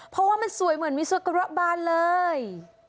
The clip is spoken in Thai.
เพราะว่ามันสวยเหมือนมีสกระบานเลย